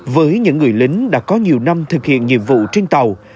với những người lính đã có nhiều năm thực hiện nhiệm vụ trên tàu